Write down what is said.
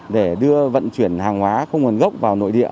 để đưa vận chuyển hàng hóa không nguồn gốc vào nội địa